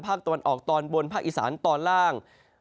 ภาคตะวันออกตอนบนภาคอีสานตอนล่าง